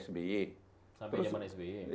sampai zaman sbi